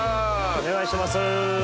お願いします